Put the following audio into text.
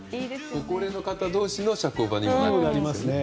ご高齢の方同士の社交場にもなりますよね。